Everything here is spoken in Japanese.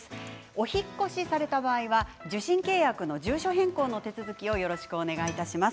お引っ越しされた場合は受信契約の住所変更の手続きをよろしくお願いいたします。